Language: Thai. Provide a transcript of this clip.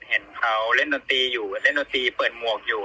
เห็นเขาเล่นดนตรีอยู่เล่นดนตรีเปิดหมวกอยู่